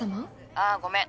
あごめん。